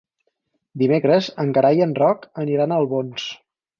Dimecres en Gerai i en Roc aniran a Albons.